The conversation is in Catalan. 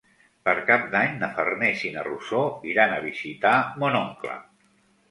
Per Cap d'Any na Farners i na Rosó iran a visitar mon oncle.